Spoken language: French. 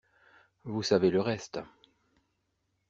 Vous savez le reste.